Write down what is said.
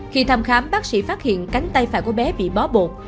khi thăm khám bác sĩ phát hiện cánh tay phải của bé bị bó bột